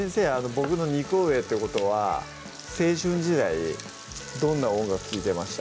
僕の２個上ってことは青春時代どんな音楽聴いてました？